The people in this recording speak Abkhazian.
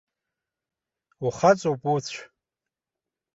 Ухаҵоуп, уцә!